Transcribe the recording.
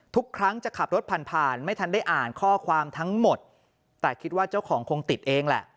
ทุกครั้งจะขับรถผ่านผ่านไม่ทันได้อ่านข้อความทั้งหมดแต่คิดว่าเจ้าของคงติดเองแหละ